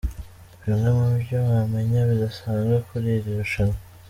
Bimwe mu byo wamenya bidasanzwe kuri iri rushanwa.